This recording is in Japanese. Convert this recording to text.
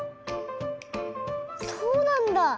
そうなんだ！